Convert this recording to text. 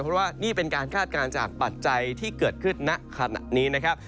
เพราะว่านี่เป็นการคาดการณ์จากปัจจัยที่เกิดขึ้นณขณะนี้นะครับ